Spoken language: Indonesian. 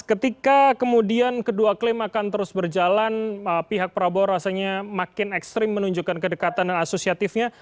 ketika kemudian kedua klaim akan terus berjalan pihak prabowo rasanya makin ekstrim menunjukkan kedekatan dan asosiatifnya